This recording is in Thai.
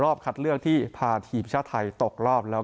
รอบคัดเลือกที่พาทีมชาติไทยตกรอบ